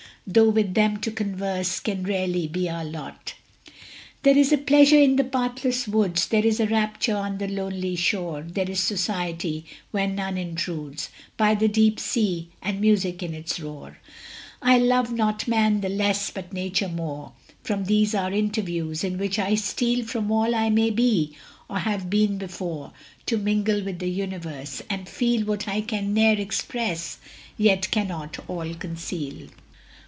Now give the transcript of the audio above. Though with them to converse can rarely be our lot. There is a pleasure in the pathless woods, There is a rapture on the lonely shore, There is society, where none intrudes, By the deep Sea, and music in its roar: I love not Man the less, but Nature more, From these our interviews, in which I steal From all I may be, or have been before, To mingle with the Universe, and feel What I can ne'er express, yet cannot all conceal.